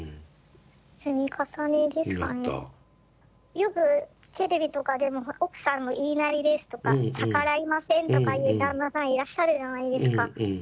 よくテレビとかでも「奥さんの言いなりです」とか「逆らいません」とかいう旦那さんいらっしゃるじゃないですか。